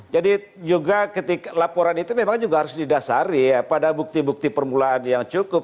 jadi juga ketika laporan itu memang juga harus didasari ya pada bukti bukti permulaan yang cukup